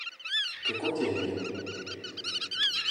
Kako ti je ime?